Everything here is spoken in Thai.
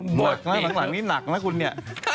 หลังนี้หนักนะคุณเนี่ย